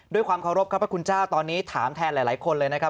ด้วยความเคารพครับพระคุณเจ้าตอนนี้ถามแทนหลายคนเลยนะครับ